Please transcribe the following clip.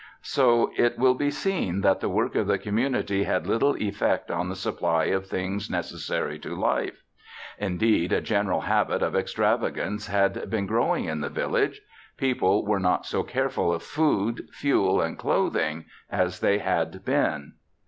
So it will be seen that the work of the community had little effect on the supply of things necessary to life. Indeed, a general habit of extravagance had been growing in the village. People were not so careful of food, fuel and clothing as they had been.